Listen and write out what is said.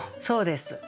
そうです。